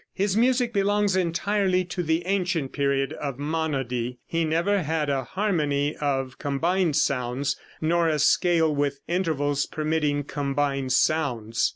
His music belongs entirely to the ancient period of monody. He never had a harmony of combined sounds, nor a scale with intervals permitting combined sounds.